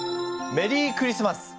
メリークリスマス！